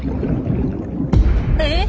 えっ？